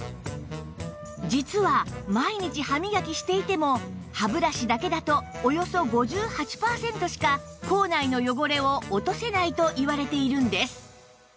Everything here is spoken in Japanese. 実は毎日歯磨きしていても歯ブラシだけだとおよそ５８パーセントしか口内の汚れを落とせないと言われているんです